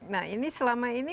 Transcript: nah ini selama ini